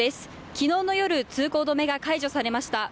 きのうの夜、通行止めが解除されました。